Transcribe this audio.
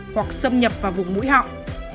hoặc xâm nhập vào vùng mũi họng